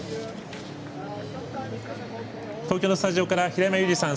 東京のスタジオから平山ユージさん